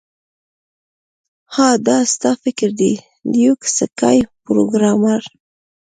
ها دا ستا فکر دی لیوک سکای پروګرامر